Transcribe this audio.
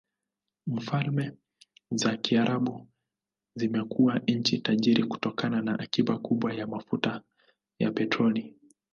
Falme za Kiarabu zimekuwa nchi tajiri kutokana na akiba kubwa za mafuta ya petroli.